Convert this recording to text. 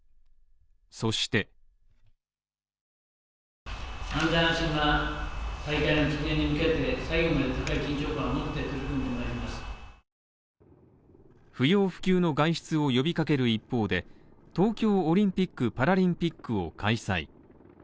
そして不要不急の外出を呼び掛ける一方で、東京オリンピック・パラリンピックを開催。